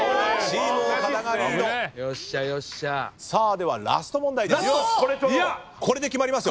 ではラスト問題です。